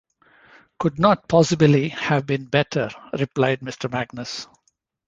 Could not possibly have been better,’ replied Mr. Magnus.